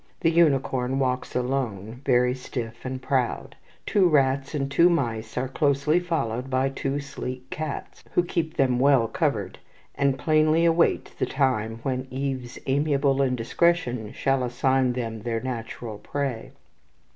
The unicorn walks alone, very stiff and proud. Two rats and two mice are closely followed by two sleek cats, who keep them well covered, and plainly await the time when Eve's amiable indiscretion shall assign them their natural prey.